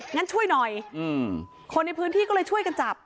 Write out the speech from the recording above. งั้นช่วยหน่อยคนในพื้นที่ก็เลยช่วยกันจับ